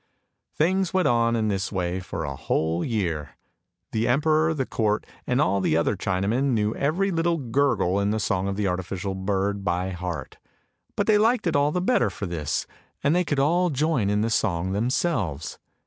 Things went on in this way for a whole year. The emperor, the court, and all the other Chinamen knew every little gurgle in the song of the artificial bird by heart; but they liked it all the better for this, and they could all join in the song them selves.